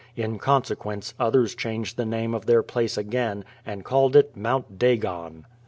In consequence, others changed the name of their place again, and called it Mount Dagon!